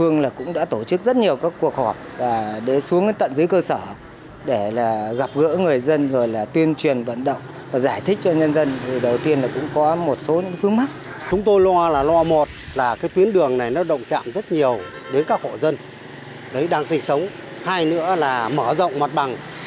người dân đang sinh sống hay nữa là mở rộng mặt bằng